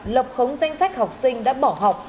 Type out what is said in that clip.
lập khống danh sách học sinh đã bỏ học